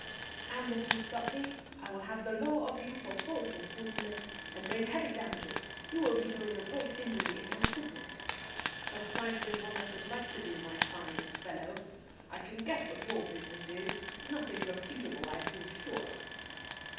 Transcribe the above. "And if you stop me I will have the law of you for false imprisonment, and bring heavy damages. You will be doing me a great injury in my business." "Precisely what I should like to do, my fine fellow. I can guess what your business is. Nothing reputable, I feel sure."